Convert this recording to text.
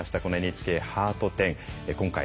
このＮＨＫハート展。